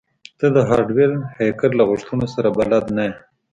ته د هارډویر هیکر له غوښتنو سره بلد نه یې